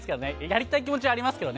やりたい気持ちはありますけど。